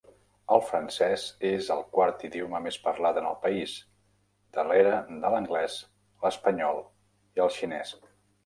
El francès és el quart idioma més parlat en el país, darrere de l'anglès, l'espanyol i el xinès.